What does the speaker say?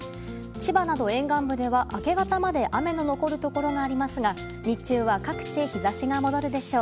千葉など沿岸部では、明け方まで雨の残るところがありますが日中は各地日差しが戻るでしょう。